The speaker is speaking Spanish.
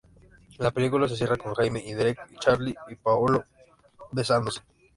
La película se cierra con Jamie y Derek y Charli y Paolo besándose.